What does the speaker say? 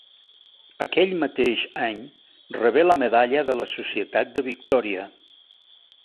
Aquell mateix any rebé la Medalla de la Societat de Victòria.